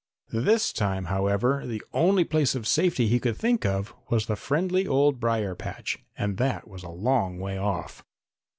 This time, however, the only place of safety he could think of was the friendly old brier patch, and that was a long way off.